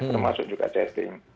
termasuk juga testing